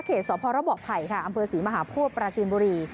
สพระบอกไผ่ค่ะอำเภอศรีมหาโพธิปราจีนบุรี